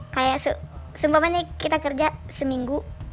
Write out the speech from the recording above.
kayak sumpamanya kita kerja seminggu